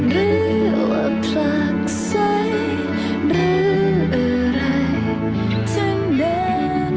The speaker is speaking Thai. หรือว่าผลักใสหรืออะไรทั้งเดิน